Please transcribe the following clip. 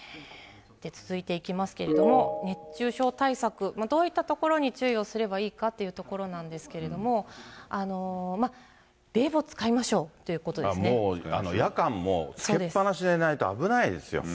続いていきますけれども、熱中症対策、どういったところに注意をすればいいかというところなんですけれども、冷房使いましょうともう、夜間もつけっぱなしでないと危ないですよ、今。